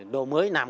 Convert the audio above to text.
đồ mới nằm